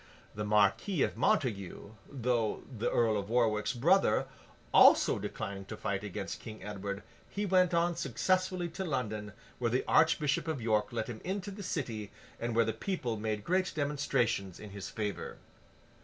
The Marquis of Montague, though the Earl of Warwick's brother, also declining to fight against King Edward, he went on successfully to London, where the Archbishop of York let him into the City, and where the people made great demonstrations in his favour.